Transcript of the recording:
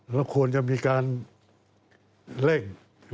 เราควรจะมีการเร่ง